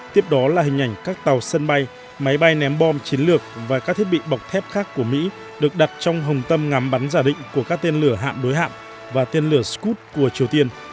tiếp đó là hình ảnh các tàu sân bay máy bay ném bom chiến lược và các thiết bị bọc thép khác của mỹ được đặt trong hồng tâm ngắm bắn giả định của các tên lửa hạn đối hạn và tên lửa scott của triều tiên